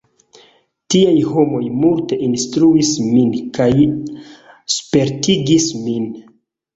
Tiaj homoj multe instruis min kaj spertigis min.